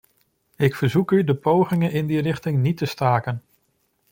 Ik verzoek u de pogingen in die richting niet te staken.